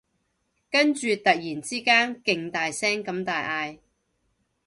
跟住突然之間勁大聲咁大嗌